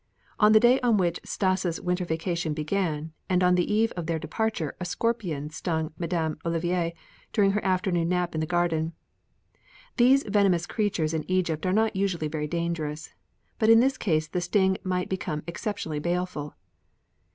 On the day on which Stas' winter vacation began and on the eve of their departure a scorpion stung Madame Olivier during her afternoon nap in the garden. These venomous creatures in Egypt are not usually very dangerous, but in this case the sting might become exceptionally baleful.